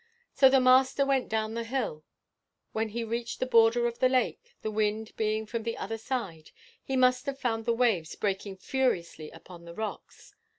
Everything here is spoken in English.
So the Master went down the hill. When he reached the border of the lake, the wind being from the other side, he must have found the waves breaking furiously upon the rocks.